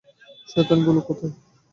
শয়তান গুলো কোথায়?